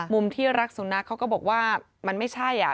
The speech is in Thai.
มุมที่รักสุนัขเขาก็บอกว่ามันไม่ใช่อ่ะ